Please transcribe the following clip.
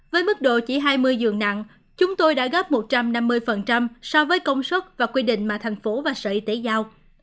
với mức độ chỉ hai mươi giường nặng chúng tôi đã góp một trăm năm mươi so với công suất và quy định mà thành phố và sở y tế giao